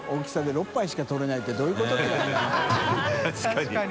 確かに。